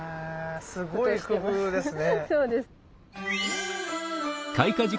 すごい工夫ですね。